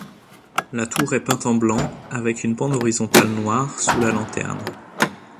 La tour est peinte en blanc avec une bande horizontale noire sous la lanterne.